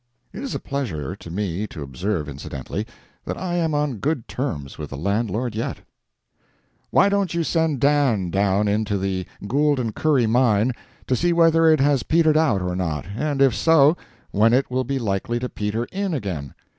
[It is a pleasure to me to observe, incidentally, that I am on good terms with the landlord yet.] Why don't you send Dan down into the Gould & Curry mine, to see whether it has petered out or not, and if so, when it will be likely to peter in again.